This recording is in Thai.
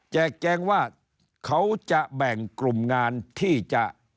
แจงว่าเขาจะแบ่งกลุ่มงานที่จะ